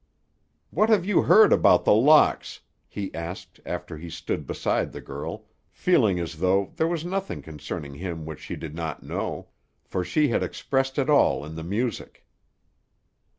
"What have you heard about The Locks?" he asked, after he stood beside the girl, feeling as though there was nothing concerning him which she did not know; for she had expressed it all in the music.